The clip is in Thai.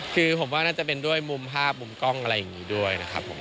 คือผมว่าน่าจะเป็นด้วยมุมภาพมุมกล้องอะไรอย่างนี้ด้วยนะครับผม